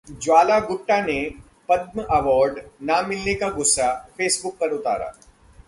ज्वाला गुट्टा ने पद्म अवार्ड न मिलने का गुस्सा फेसबुक पर उतारा